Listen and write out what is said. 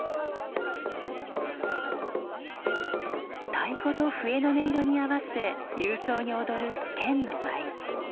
太鼓と笛の音色に合わせ勇壮に踊る剣の舞。